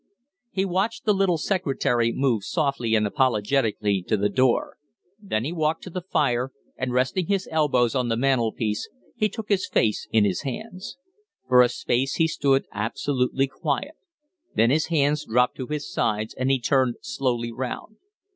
He watched the little secretary move softly and apologetically to the door; then he walked to the fire, and, resting his elbows on the mantel piece, he took his face in his hands. For a space he stood absolutely quiet, then his hands dropped to his sides and he turned slowly round.